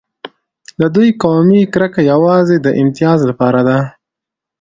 د دوی قومي کرکه یوازې د امتیاز لپاره ده.